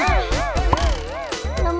aduh aduh aduh